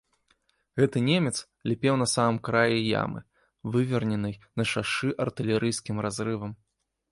Гэты немец ліпеў на самым краі ямы, выверненай на шашы артылерыйскім разрывам.